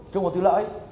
trông có thủy lợi